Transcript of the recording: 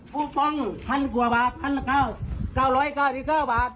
คูปองพันกว่าบาทพันก้าวเกาหลอยเกายี่เก้าบาท